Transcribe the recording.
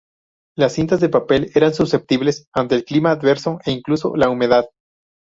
Las cintas de papel eran susceptibles ante el clima adverso e incluso la humedad.